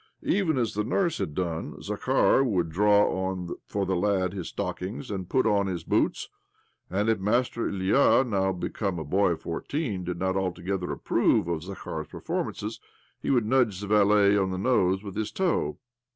Even as the nurse had idone, Zakhar would draw on for the lad his stockings, and put on his boots ; and if Master Ilya — now become a boy of four teen — did not altogether approve of Zakhar's performances he would nudge the valet on the nose with his toe.